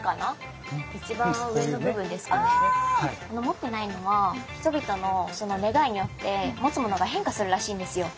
持ってないのは人々のその願いによって持つものが変化するらしいんですよ。